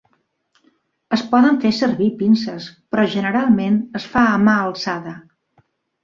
Es poden fer servir pinces, però generalment es fa a mà alçada.